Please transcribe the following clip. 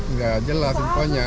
nggak jelas infonya